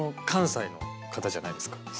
関西の方じゃないですか。